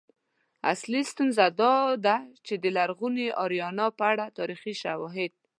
اصلی ستونزه دا ده چې د لرغونې آریانا په اړه تاریخي شواهد